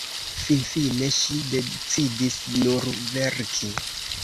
Finfine ŝi decidis nur verki.